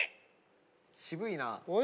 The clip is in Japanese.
渋いな。